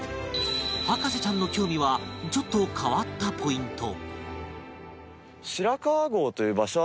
博士ちゃんの興味はちょっと変わったポイント